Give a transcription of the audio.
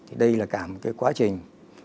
thì đây là cả một cái quá trình